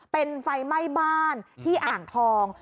เป็นไฟไหม้บ้านที่อ่างทอง